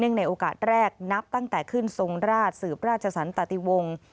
ในโอกาสแรกนับตั้งแต่ขึ้นทรงราชสืบราชสันตติวงศ์